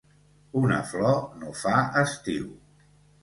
Una flor no fa estiu.